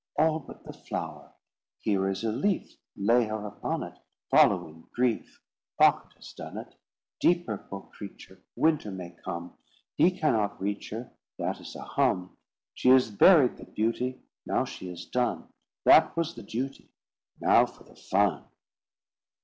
"All but the flower." "Here is a leaf." "Lay her upon it." "Follow in grief." "Pocket has done it." "Deeper, poor creature! Winter may come." "He cannot reach her— That is a hum." "She is buried, the beauty!" "Now she is done." "That was the duty." "Now for the fun."